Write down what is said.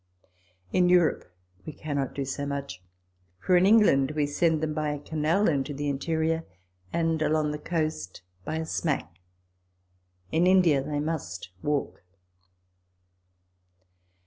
In Europe we cannot do so much. For in England we send them by a canal into the interior, and along the coast by a smack, In India they must walk.